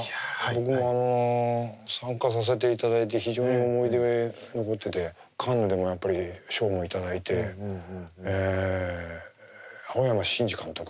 僕も参加させていただいて非常に思い出に残っててカンヌでもやっぱり賞も頂いて青山真治監督